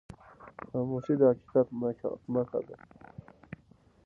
خاموشي، د حقیقت نښه ده.